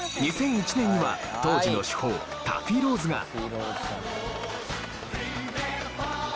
２００１年には当時の主砲タフィー・ローズが。